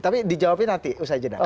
tapi dijawabin nanti usai jeda